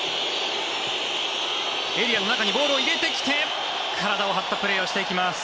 エリアの中にボールを入れてきて体を張ったプレーをしてきます。